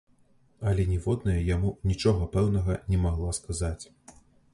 Але ніводная яму нічога пэўнага не магла сказаць.